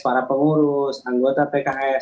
para pengurus anggota pks